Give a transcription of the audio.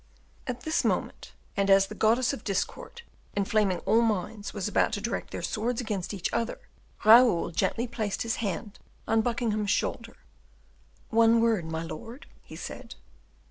At this moment, and as the goddess of Discord, inflaming all minds, was about to direct their swords against each other, Raoul gently placed his hand on Buckingham's shoulder. "One word, my lord," he said.